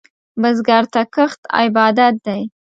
بزګر ته کښت عبادت دی